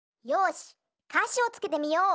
しかしをつけてみよう！